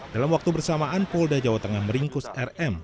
dalam waktu bersamaan polda jawa tengah meringkus rm